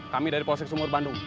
kami dari polsek sumur bandung